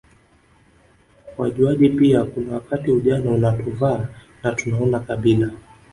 wajuaji pia kuna wakati ujana unatuvaa na tunaona kabila